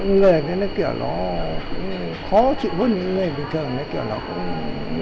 người này nó kiểu nó khó chịu hơn những người bình thường